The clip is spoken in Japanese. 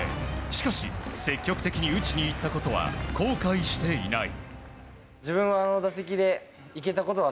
しかし積極的に打ちにいったことは後悔していない。